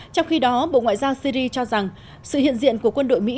trong khi đó bộ ngoại giao syri cho rằng sự hiện diện của quân đội mỹ